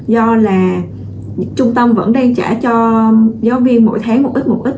do là trung tâm vẫn đang trả cho giáo viên mỗi tháng một ít một ít